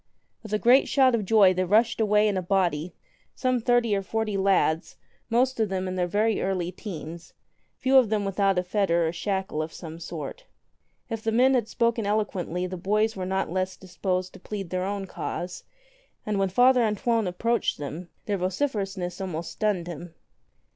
With a great shout of joy they rushed away in a body, some thirty or forty lads most of them in their very early teens, few of them without a fetter or shackle of some sort. If the men had spoken eloquently the boys were not less disposed to plead their own cause, and when Father An toine approached them their vociferousness almost stunned him.